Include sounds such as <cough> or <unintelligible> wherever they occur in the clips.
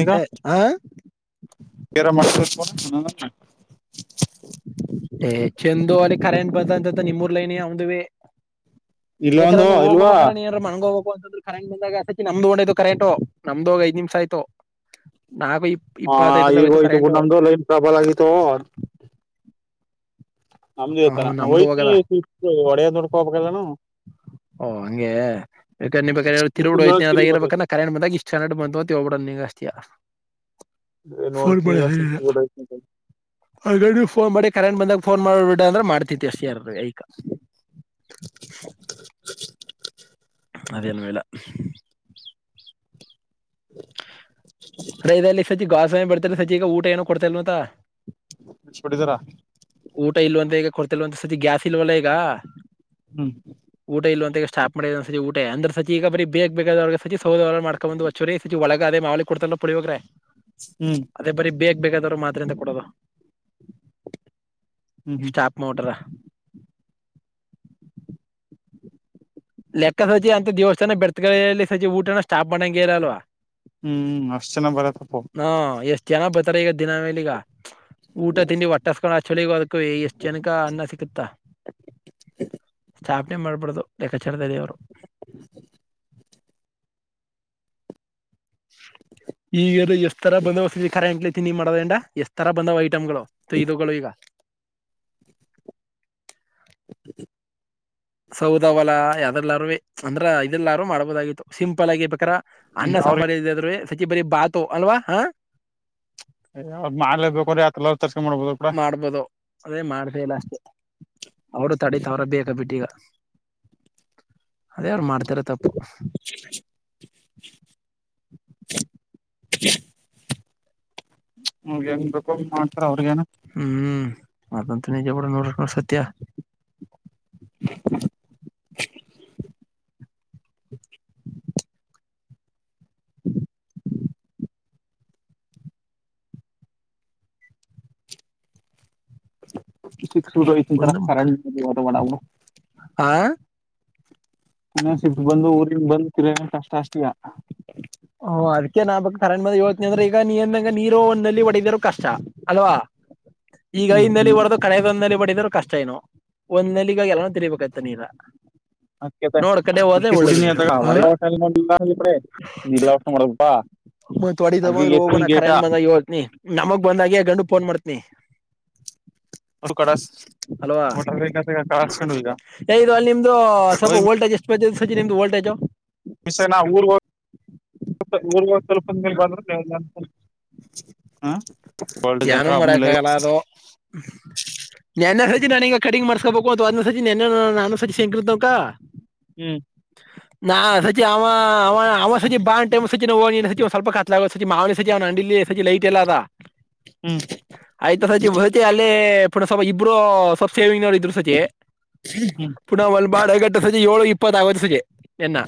ಈಗ ಹಾ ಬೇರ ಮಾಡಸರ್ಕೋಣ ಚೆಂದ ಅಲ್ಲಿ ಕರೆಂಟ್ ಬರ್ತಂತ ನಿಮ್ಮೂರ್ಲ ನ ಅವ್ದೀ ಬೇಕ್ರ ಇಲ್ಲೊಂದು ನೀವು ಅಲ್ವಾ ಹೋಗ್ಬೇಕ್ರ ನೀನಾರ ಮಣಗೋಗಬೇಕ <unintelligible> ಕರೆಂಟ್ ಬಂದಾಗ ಅಸಕ್ಕೆ ನಮ್ದು ಹೊಂಟೈತು ಕರೆಂಟ್ ನಮ್ದ ಐದು ನಿಮ್ಷ ಆಯ್ತು ನಾಕ ಇ ಆ ಇಪ್ಪತ್ತ ಐದು ಈಗ ಹೋಯ್ತು ಬಿಡು ಕರೆಂಟು ನಮ್ದು ಲೈನ್ ಪ್ರಾಬ್ಲಮ್ ಆಗಿತ್ತು ನಮ್ದ ಹ ಇತನ ನಾ್ ನಮ್ದು ಹೊಯ್ತಿ ಹೋಗದ ಒಡೆಯ್ ನೋಡ್ಕೋಬೇಕಲ್ಲಾನು ಓ ಹಂಗೆ <unintelligible> ಮುಸ್ಲಿಂ ಜೋಳ ಅದ ತಿರುಗಿ ಇರಬೇಕ ಬರ್ತೈತೆ ಕರೆಂಟ್ ಬಂದಾಗ ಇಷ್ಟ ಹಡ್ ಬಂತತೋಗಬಡಗೆಸ್ತಿ ಅಲ್ಲ ಏ <unintelligible> ನೋಡ್ತೀನಿ ಈಗ ಸಿಕ್ಸ್ ಮಾಡ ಬಿಡ್ ಆನ್ ಮಾಡೆ ಕರೆಂಟ್ ಬಂದ ಫೋನ್ ಮಾಡಬಿಡ ಅಂದ್ರೆ ಮಾಡ್ತತಿ ಅಷ್ಟ ಯಾರ ಐಕ ಅದೇನ್ ಇಲ್ಲ <inaudible> ಕಡೆದಲ್ಲಿಲ್ಲಿ ಸಜಿ ಗಾಸೇ ಬರ್ತಲ್ಲ ಸಜಿ ಈಗ ಊಟ ಏನೋ ಕೊಡ್ತಲ್ವಂತ ಇಷ್ಟ ಕೊಟ್ಟಿದ್ದಾರಾ ಊಟ ಇಲ್ವ ಅಂತ ಈಗ ಕೊಡ್ತಿಲ್ವ ಅಂತ ಸತಿ ಗ್ಯಾಸ್ ಇಲ್ವಲ್ಲ ಈಗ ಹ್ಮ್ ಊಟ ಇಲ್ಲ ಅಂತ ಸ್ಟಾಪ್ ಮಾಡ ಸ ಊಟ ಅಂದ್ರ ಸಚ ಈಗ ಬೇ ಬೇೇಕಾದ ಸೌದಿ ಒಲೆ ಮೇಲೆ ಮಾಡಕೊಂಡ ಸಿ ಒಳಗೆ ಅದೇ ಮಾಲಿ ಕೊಡ್ತಲ್ಲ ಪುಳಿ ಹೋಗ್ರೆ ಹ್ಮ್ ಅದೇ ಬರೀ ಬೇಗ ಬೇೇಕಾದವರು ಮಾತ್ರಿಯಂತೇ ಕೊಡೋದು ಹ್ಮ್ ಹ್ಮ್ ಸ್ಟಾಪ್ ಮಾಡಬಿಟ್ಟವ್ರೆ ಲೆಕ್ಕ ಸಜಿ ಅಂತ ದೇವಸ್ಥಾನ ಬೆಡತಕಲ್ಲಿ ಸಜಿ ಊಟನ ಸ್ಟಾಪ್ ಮಾಡಂಗ ಇರಲ್ವಾ ಹ್ಮ್ ಅಷ್ಟ್ ಜನ ಬರತ್ತಪ್ಪು ಇರ ಈಗ ದಿನ ಮೇಲಿ ಈಗ ಊಟ ತಿಂಡಿ ಒಟ್ಟಸ್ಕೊಂಡ ಚಳಿಗ ಅದಕು ಎಷ್ಟ್ ಜನಕ ಅನ್ನ ಸಿಕ್ಕುತ್ತಾ ಸ್ಥಾಪನೆ ಮಾಡ್ಬಿಡ್ದು ಲೆಕ್ಕಾಚಾರದಲ್ಲಿದಲ್ಲಿ ಅವ್ರು ಈಗ ಎಷ್ಟ ತರ ಬಂದ ವಸತಿ ಖರ ಎಂಕ್ಲೈತಿನ ನೀ ಮಾಡೋದಂಡ ಎಷ್ಟ ತರ ಬಂದವ್ ಐಟಮ್ಗಳು ಇದುಗಳು ಈಗ ಸೌದವಲ ಯಾವ್ದದೆಲ್ಲಾರು ಅಂದ್ರ ಇದೆಲ್ಲಾರು ಮಾಡ್ಬೋದಾಗಿತ್ತು ಸಿಂಪಲ್ ಆಗಿ ಬೇಕ್ರ ಅನ್ನ ಅವ್ರಿಗೆ ಸಂಭಾಳದ್ರೆ ಸಚಿ ಬರಿ ಬಾತು ಅಲ್ವಾ ಹಾ ಮಾಲೆ ಬೇಕೋ್ರ ಯತ ಚರ್ಚೆ ಮಾಡ್ಬೋದು ಕೂಡ ಮಾಡ್ಬೋದು ಅದೇ ಮಾಡ್ಬೇಕೇ ಇಲ್ಲ ಅಷ್ಟೇ ಅವರು ತಡತ ಅವ್ರ ಬೇಕ ಬಿಟ್ಟ ಈಗ ಅದೇ ಯಾರು ಮಾಡ್ತಾರ ತಪ್ಪು ಅವರಿಗೆ ಹೆಂಗ ಬೇಕು ಅಂಗ ಮಾಡ್ತಾರ ಅವ್ರಿಗೇನು ಹ್ಮ್ ಹ್ಮ್ ಅದಂತ ನಿಜ ಕ ನೋಡ ನೋಡ ಸತ ಶ ಶು ರ ತರ ಒಂದು ಮುಖ ಕಾರಾವ ಆ ಇನ್ನಸ ಬಂದು ಊರಿನ್ ಬಂದು ತಿರ ಕಷ್ಟ ಅಷ್ಟಿದ ಹಓ ಅದ್ಕ್ಕೆ ನಾ ಬ ಕರ ಮದ ಹವನಿ ಅಂದ್ರೆ ಈಗ ನೀನ್ಗ ನೀರ ಒಂದಲ್ಲಿ ಒಡದರರು ಕಷ್ಟ ಅಲ್ವಾ ಈಗ ಹ್ಮ್ ಹಿಂದೆ ಹ್ಮ್ ಬಡದು ಕಳೆದೊಂದ ಬಡಿದರು ಕಷ್ಟ ಏನು ಒಂದ್ ನಲಿಗಾಗಿ ಎಲ್ಲಾನು ತಿರಿಬೇಕಾಯ್ತ ನೀರ ಅ ನೋಡ್ ಕಡೆ ಹೋದ್ರೆ ಕಿ ಒಳ್ಳೇದು ನೀ ನೀರು ವಡ ಆ ಇಡೆ ನಿ ಮಡಗಪ್ಪಾ ತೋಡಿ ತಬಂದ್ರ ಹೋಗಣ ಕರೆಂಟ್ ಬಂದಾಗ ಹೋದತನಿ ನಮಗ್ ಬಂದಾಗ ಗಂಡು ಫೋನ್ ಮಾಡ್ತನಿ ಅವ ಕಳ ಮಟ ಕ ಯದು ಅಲ್ಲಿ ನಿಮ್ದು ಸ್ವಲ್ಪ ವೋಲ್ಟೇಜ್ ಎಷ್ಟು ಬರ್ತ ಸಜಿ ನಿಮ್ದು ವೋಲ್ಟೇಜ್ ನಾ ಊರ್ವ ಊರ್ವ ಸ್ವಲ್ಪಂದ ಮೇ ಬಂದ್ರೆ ಅ ಹ ಏನು ಮಾಡಕ್ಕ ಆಗಲ್ಲ ಅದೋ ಸಚಿ ನನೀಗ ಕಡಿಂಗ್ ಮಾಡಸ್ಕಬೇಕು ಅಂತ ಅದ ಸಚಿನ್ ನಾನು ಸಚಿನ್ ಹೆಂತಂಕ ಹ್ಮ್ ನಾ ಸಚಿ ಅವ ಅವ ಅವ ಸತಿ ಬಾ ಟ್ ಸಿನೋ ಸ್ವಲ್ಪ ಕತ್ಲಾಗ ಸಿ ಮಾವನ ಸತಿ ಅವನ ಲ್ಲಿ ಸಜೆ ಲೈಟ್ ಎಲ್ಲ ಅದ ಹ್ಮ್ ಆಯ್ತ ಸಚತಿ ಅಲ್ಲೇ ಪುನ ಸ್ವ ಇಬ್ರು ಸ್ವ ಸೇವಿಂಗ್ ನೋಡಿದ್ರು ಸಜೆ ಹ್ಮ್ ಪುನಃ ಒಲ್ ಬಾಳ್ಗಟ್ಟ ಸಜೆ ಏಳು ಇಪ್ಪತ್ವತ್ತು ಸಜೆ ಎನ್ನ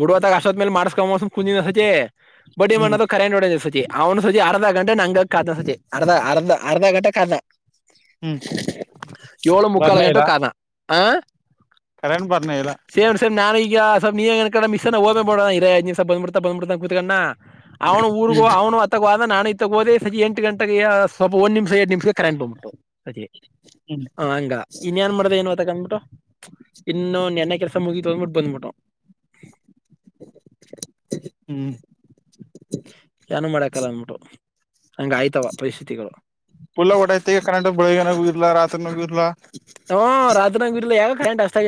ಬುಡವ ತ ಆಶತ್ ಮೇಲೆ ಮಾಡಿಸಸ್ಕೊ ಕುಂದಿನ ಸತಿ ಬಡ್ಡಿ ಹ್ಮ್ ಮಣ್ಣದು ಕರೆಂಟ್ ಹೊಡ ಸತಿ ಅವ್ನು ಸತಿ ಅರ್ಧ ಗ ನಂಗ ಕಾದ ಸಜ ಅರ್ಧ ಅರ್ಧ ಅರ್ಧ ಗಂಟೆ ಕಾದ ಹ್ಮ್ ಏಳು ಮುಕ್ಕಾಲು ಬರ್ನೇ ಗಂಟು ಇಲ್ಲ ಕಾದ ಹ ಕರೆಂಟ್ ಬರ್ನೇ ಇಲ್ಲ ಸೇವ ಸೇಮ ನಾನೀಗ ಸ ನೀನ್ ನ್ ಕಡೆಸ ಹೇ ಮಾಡೋ ಇ ಬಬಡ್ತ ಬಬಿತಾನ ಕ ಕುತ್ಕಣ್ಣ ಅವನು ಊರ್ಗೂ ಹ್ಮ್ ಅವನು ಅತ್ತಗ ನಾನು ಇದ ತಗೋದೆಜೆ ಎಂಟ ಗಂಟೆಗೆ ಸ್ವಲ್ಪ ಒ ನಿಮಿಷ ಎರಡ್ ನಿಮಷಕ್ಕೆ ಕರೆಂಟ್ೋಗಬಿಟ್ಟು ಅದ ಹ್ಮ್ ಹ ಹಂಗ ಇನ್ಏನ್ ಮಾಡ್ದ ಏನ್ವ ತ ಕಂದ್ಬಿಟ್ಟು ಇನ್ನೊನ್ನ ಕೆಲ್ಸ ಮುಗಿ ತೊಂದ್ಬಿಟ್ಟು ಬಂದ್ಬಟ ಹ್ಮ್ ಏಾನೂ ಮಾಡಾಕಲ್ಲ ಅಂದಬಿಟ್ಟು ಹಂಗ ಆಯ್ತವ ಪರಿಸ್ಥಿತಿಗಳು ಲ್ಲ ಓಡೈತಿ ಈಗ ಕರೆ ಬೆಳಗ್ಗನಗೂ ಇರ್ ರಾತ್ರಿನಗೂ ಇರ್ ಹ ರಾಜನಗೂರ್ಲ ಯಾಕ ಕರೆಂಟ್ ಅಷ್ಟ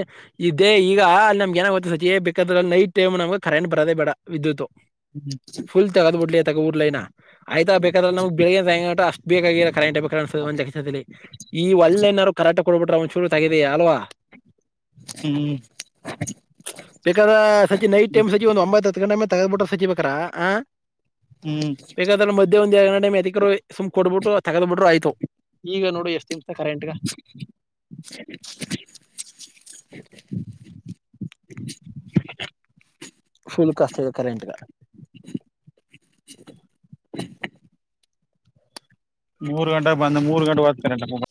ಇದೇ ಈಗ ಅ ನಮ್ಗೆ ಏನಾಗತ್ತೆ ಸತಿ ಬೇಕಾದ್ರ ನೈಟ್ ಟೈಮ್ ನಮಗೆ ಕರೆಂಟ್ ಬರೋೇ ಬೇಡ ವಿದ್ಯುತ್ ಫುಲ್ ತಗದ್ ಬಿಡ್ಲಿ ತಗ ಊರ್ಲನ ಆಯ್ತಾ ಬೇಕಾದ್ರೆ ನಮ್ಗ್ ಬೆಳಿಗ್ ತಟ ಅಷ್ಟ ಬೇಕಾಗಿರ ಕರೆಂಟ್ ಬೇಕ ಅನ್ಸ ಒಂದದಲ್ಲಿ ಈ ಒಳ್ಳೆನಾದ್ರು ಕರಾಟ್ ಕೊಡ್ಬಿಟ್ರೆ ಒಂದ್ ಚೂರು ತಗಿದೀಯ ಅಲ್ವಾ ಹ್ಮ್ ಬೇಕ ಸಜಿ ನೈಟ್ ಸಜಿ ಒಂದು ಒಂಬೈತ್ತು ಹತ್ತು ಗಂಟೆ ಮ ತಗದ್ಬಿಟ ಸಚಿಬೇಕೇಕಾರಾ ಹ ಹ್ಮ್ ಬೇಕಾದ್ರೆ ಮಧ್ಯೆ ಒಂದ್ರಡು ಗಟೈಮ್ ಎತಿಕರು ಸುಮ್ ಕೊಡ್ಬಿಟ್ಟರು ತಗದ್ ಬಿಟರು ಆಯ್ತು ಈಗ ನೋಡು ಎಷ್ಟು ನಿಮಿಸ ಕರೆಂಟ್ ಹ <unintelligible> ಫುಲ್ ಕಸ್ತದೆ ಕರೆಂಟ್ಗ <inaudible> ಮೂರು ಗಂಟ ಬಂದ ಮೂರ್ ಗಂಟ ಹ್ತಾರೆ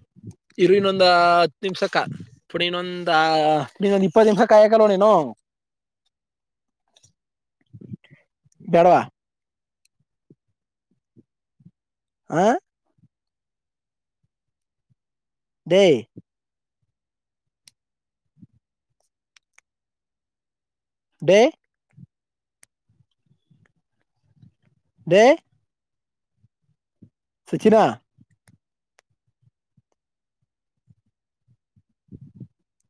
<inaudible> ಇರು ಇನ್ನೊಂದ್ ಹತ್ತು ನಿಮಿಷಕ್ಕ ಪುಡಿಿ ಇನ್ನೊಂದ ಇನ್ನೊಂದ್ ಇಪ್ಪತ್ತು ನಿಮ್ಷಕ್ಕೆ ಆಯಕಲ್ವ ನೀನು ಬಡವಾ ಹ ಥು ಥು ಥು ಸಚಿನ ಹ್ಮ